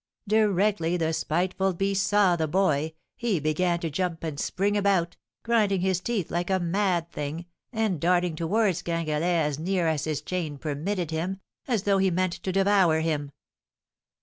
Directly the spiteful beast saw the boy, he began to jump and spring about, grinding his teeth like a mad thing, and darting towards Gringalet as near as his chain permitted him, as though he meant to devour him."